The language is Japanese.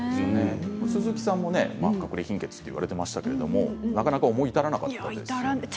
鈴木さんもかくれ貧血と言われていましたけど、なかなか思い至らなかったですか？